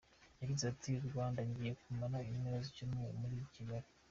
Yagize ati “Rwanda! Ngiye kumara impera z’icyumweru muri Kigali.